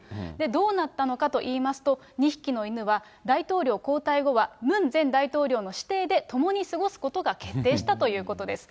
どうなったのかといいますと、２匹の犬は大統領交代後は、ムン前大統領の私邸で、共に過ごすことが決定したということです。